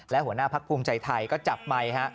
และหัวหน้าพักภูมิใจไทยก็จับไมค์ฮะ